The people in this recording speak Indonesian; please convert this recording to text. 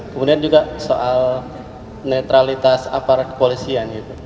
kemudian juga soal netralitas aparat kepolisian